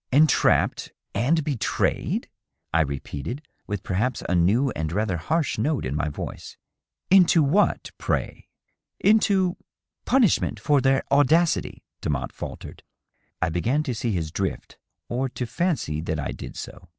" Entrapped and betrayed ?" I repeated, with perhaps a new and rather harsh note in my voice. " Into what, pray ?"" Into .. punishment for their audacity," Demotte faltered. I began to see his drift, or to fancy that I did so.